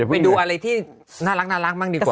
ไปดูอะไรที่น่ารักบ้างดีกว่า